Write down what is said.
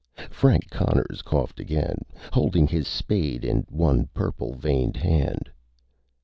Frank Conners coughed again, holding his spade in one purple veined hand.